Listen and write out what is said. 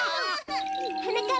はなかっ